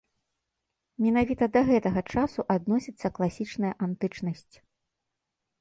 Менавіта да гэтага часу адносіцца класічная антычнасць.